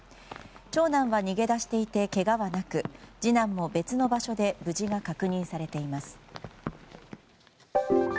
長男は逃げ出していてけがはなく次男も別の場所で無事が確認されています。